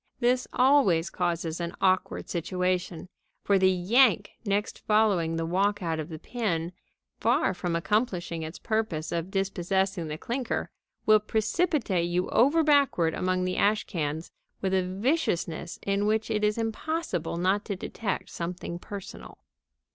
This always causes an awkward situation, for the yank next following the walkout of the pin, far from accomplishing its purpose of dispossessing the clinker, will precipitate you over backward among the ash cans with a viciousness in which it is impossible not to detect something personal.